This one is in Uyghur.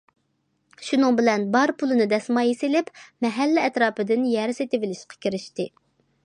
شۇنىڭ بىلەن بار پۇلىنى دەسمايە سېلىپ، مەھەللە ئەتراپىدىن يەر سېتىۋېلىشقا كىرىشتى.